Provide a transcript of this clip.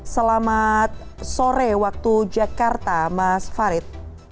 selamat sore waktu jakarta mas farid